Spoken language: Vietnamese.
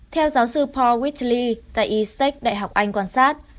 theo giáo sư paul whitley tại east tech đại học anh quan sát